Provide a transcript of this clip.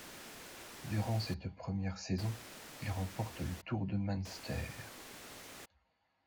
Durant cette première saison, il remporte le Tour de Münster.